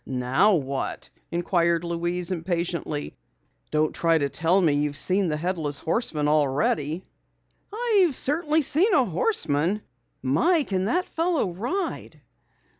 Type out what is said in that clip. "Now what?" inquired Louise impatiently. "Don't try to tell me you've seen the Headless Horseman already?" "I've certainly seen a horseman! My, can that fellow ride!"